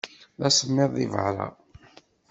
D asemmiḍ deg beṛṛa.